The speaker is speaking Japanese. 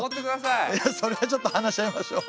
いやそれはちょっと話し合いましょう。